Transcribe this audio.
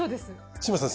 志真さん